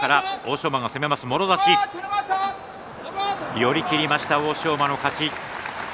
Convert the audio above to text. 寄り切りました欧勝馬の勝ち。